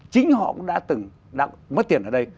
chính họ cũng đã từng mất tiền ở đây